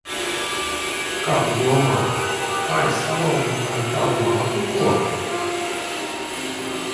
Kā tu domā, kā es savaldzināju tavu māti, ko?